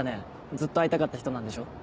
ずっと会いたかった人なんでしょ？